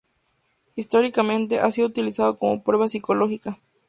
Históricamente, ha sido utilizado como prueba psicológica.